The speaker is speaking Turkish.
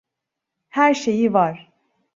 Her şeyi var.